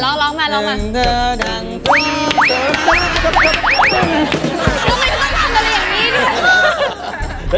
ทำไมต้องทำอะไรแบบนี้